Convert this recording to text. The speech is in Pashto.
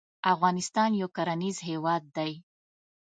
افغانستان یو کرنیز هیواد دی